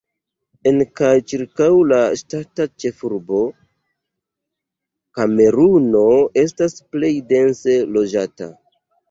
En kaj ĉirkaŭ la ŝtata ĉefurbo Kameruno estas plej dense loĝata.